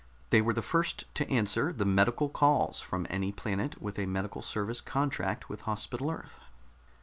They were the first to answer the medical calls from any planet with a medical service contract with Hospital Earth.